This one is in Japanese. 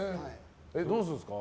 どうするんですか？